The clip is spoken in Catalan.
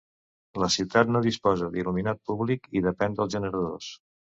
La ciutat no disposa d'il·luminat públic i depèn dels generadors.